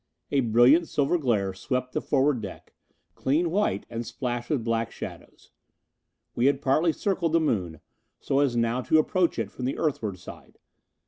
A brilliant silver glare swept the forward deck, clean white and splashed with black shadows. We had partly circled the Moon, so as now to approach it from the Earthward side.